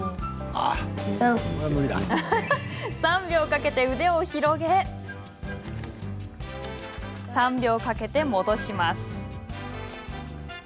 ３秒かけて腕を広げ３秒かけて戻します。